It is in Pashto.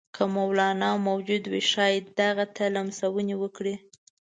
که مولنا موجود وي ښايي دغه ته لمسونې وکړي.